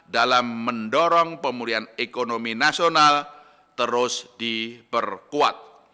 dalam mendorong pemulihan ekonomi nasional terus diperkuat